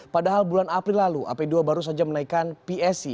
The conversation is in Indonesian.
padahal bulan april lalu ap dua baru saja menaikkan psc